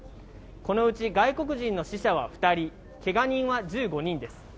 このうち外国人の死者は２人、けが人は１５人です。